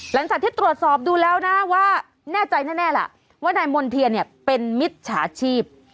หลังจากที่ตรวจสอบดูแล้วนะว่าแน่ใจแน่ล่ะว่านายมณ์เทียนเนี่ยเป็นมิจฉาชีพ